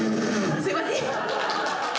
すいません。